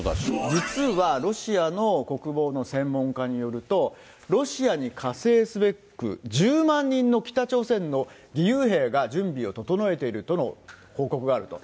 実は、ロシアの国防の専門家によると、ロシアに加勢すべく１０万人の北朝鮮の義勇兵が準備を整えているとの報告があると。